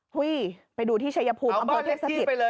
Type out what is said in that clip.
หุ้ยไปดูที่ชายพุมอัมพโทษธิต